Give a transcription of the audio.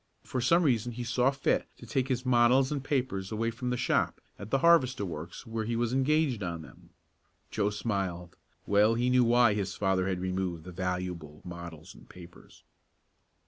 For some reason he saw fit to take his models and papers away from the shop at the harvester works where he was engaged on them." Joe smiled well he knew why his father had removed the valuable models and papers.